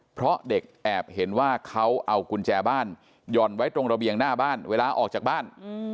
เพราะเด็กแอบเห็นว่าเขาเอากุญแจบ้านหย่อนไว้ตรงระเบียงหน้าบ้านเวลาออกจากบ้าน